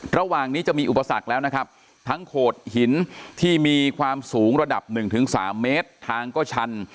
ระหว่างนี้จะมีอุปสรรคแล้วนะครับทั้งโขดหินที่มีความสูงระดับหนึ่งถึงสามเมตรทางก็ชัน